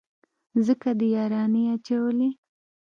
ځکه دې يارانې اچولي.